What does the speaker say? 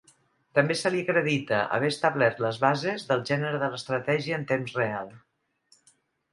També se li acredita haver establert les bases del gènere de l'estratègia en temps real.